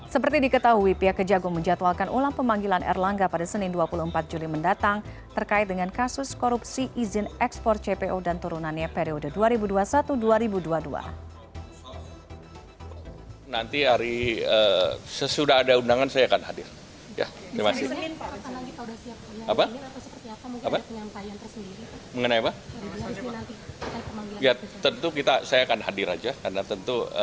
seperti diketahui pihak kejaksaan agung menjatuhkan ulang pemanggilan erlangga pada senin dua puluh empat juli mendatang terkait dengan kasus korupsi izin ekspor cpo dan turunannya periode dua ribu dua puluh satu dua ribu dua puluh dua